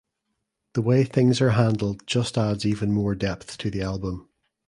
The way things are handled just adds even more depth to the album.